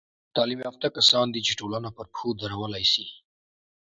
تعلیم یافته کسان دي، چي ټولنه پر پښو درولاى سي.